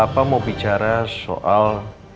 kita mau bicara soal